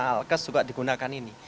alkes juga digunakan ini